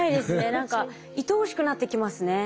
何かいとおしくなってきますね。